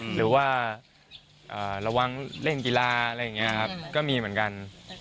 หรือว่าระวังเล่นกีฬาก็มีเหมือนกัน